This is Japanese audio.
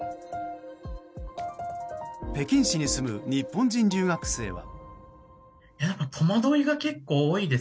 北京市に住む日本人留学生は。